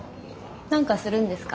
何かするんですか？